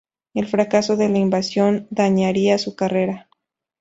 El fracaso de la invasión dañaría su carrera.